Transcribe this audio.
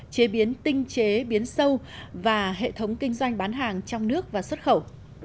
chế biến tinh chế biến sâu và hệ thống kinh doanh bán hàng trong nước và xuất khẩu